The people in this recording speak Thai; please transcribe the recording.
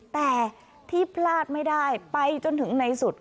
แต่ที่พลาดไม่ได้ไปจนถึงในสุด